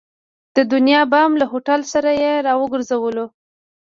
د دنیا بام له هوټل سره یې را وګرځولو.